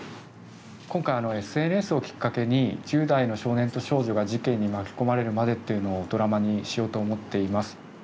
今回ＳＮＳをきっかけに１０代の少年と少女が事件に巻き込まれるまでっていうのをドラマにしようと思っています。